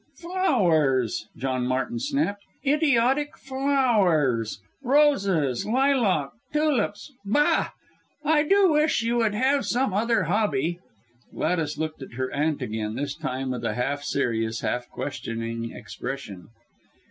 "Flowers!" John Martin snapped, "idiotic flowers! Roses, lilac, tulips! Bah! I do wish you would have some other hobby." Gladys looked at her aunt again, this time with a half serious, half questioning expression.